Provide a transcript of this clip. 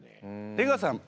出川さん